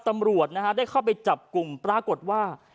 ตำรวจนะฮะได้เข้าไปจับกลุ่มปรากฏว่า